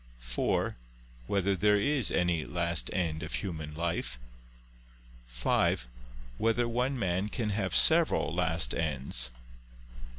(4) Whether there is any last end of human life? (5) Whether one man can have several last ends?